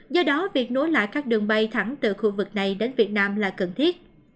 do đó việc nối lại các đường bay thẳng từ khu vực này đến việt nam là cần thiết